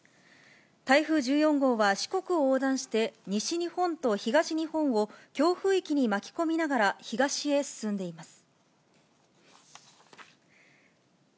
台風１４号は四国を横断して、西日本と東日本を強風域に巻き込みながら、東へ進んでいます。